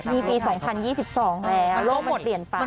มีปี๒๐๒๒แหละมันเปลี่ยนไปแล้วมันก็หมด